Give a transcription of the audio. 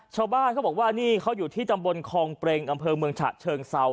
ชาวบ้านเขาบอกว่านี่เขาอยู่ที่ตำบลคองเปรงอำเภอเมืองฉะเชิงเซา